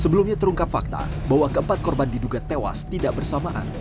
sebelumnya terungkap fakta bahwa keempat korban diduga tewas tidak bersamaan